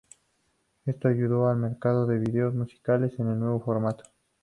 Esto ayudó al mercado de vídeos musicales en el nuevo formato.